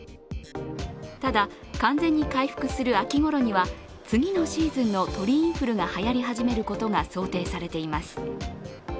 ただ、完全に回復する秋ごろには次のシーズンの鳥インフルがはやり始めることが想定されています。